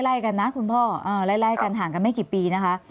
ไล่กันนะคุณพ่อไล่กันห่างกันไม่กี่ปีนะคะ